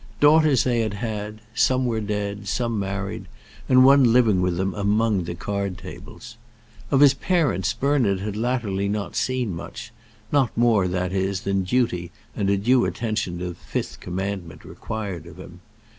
Daughters they had had; some were dead, some married, and one living with them among the card tables. Of his parents Bernard had latterly not seen much; not more, that is, than duty and a due attention to the fifth commandment required of him.